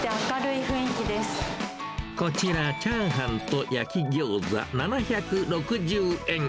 こちら、チャーハンと焼餃子７６０円。